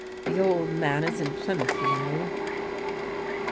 The old man is in Plymouth, you know."